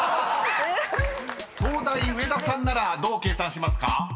［東大上田さんならどう計算しますか？］